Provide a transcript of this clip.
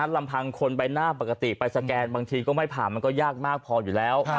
ลำพังคนใบหน้าปกติไปสแกนบางทีก็ไม่ผ่านมันก็ยากมากพออยู่แล้ว